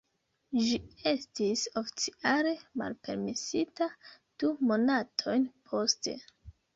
Ĝi estis oficiale malpermesita du monatojn poste.